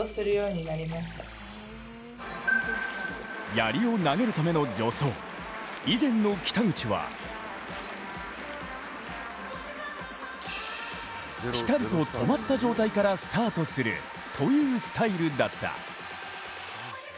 やりを投げるための助走、以前の北口はピタリと止まった状態からスタートするというスタイルだった。